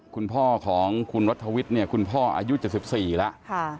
คุณพ่อของคุณรัฐวิทย์เนี่ยคุณพ่ออายุ๗๔แล้ว